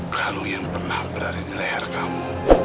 kalau yang pernah berada di leher kamu